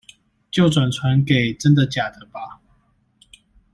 就轉傳給真的假的吧